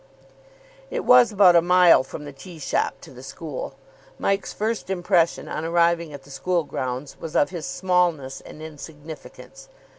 It was about a mile from the tea shop to the school. Mike's first impression on arriving at the school grounds was of his smallness and insignificance.